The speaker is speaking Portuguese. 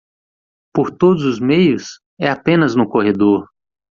Por todos os meios? é apenas no corredor.